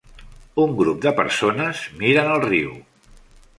Un grup de persones miren al riu.